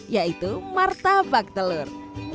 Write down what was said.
yaitu martabak telur